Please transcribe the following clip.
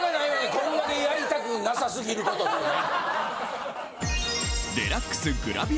こんだけやりたくなさすぎることってね。